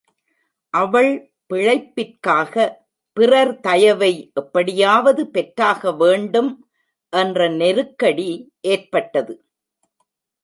அவள் பிழைப்பிற்காக பிறர் தயவை எப்படியாவது பெற்றாக வேண்டும் என்ற நெருக்கடி ஏற்பட்டது.